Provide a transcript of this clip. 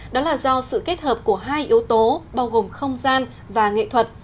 đó là do sự kết hợp của hai yếu tố bao gồm không gian và nghệ thuật